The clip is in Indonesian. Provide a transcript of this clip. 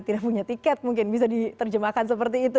tidak punya tiket mungkin bisa diterjemahkan seperti itu